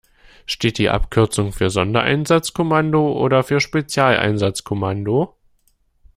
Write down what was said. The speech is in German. Steht die Abkürzung für Sondereinsatzkommando oder für Spezialeinsatzkommando?